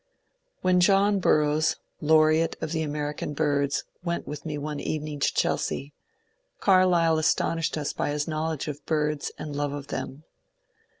When John Burroughs, laureate of the American birds, went with me one evening to Chelsea, Carlyle astonished us by his knowledge of birds and love of them.